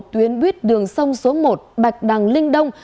tuyến buýt đường sông số một bạch đằng linh đông